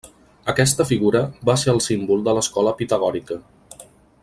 Aquesta figura va ser el símbol de l'escola pitagòrica.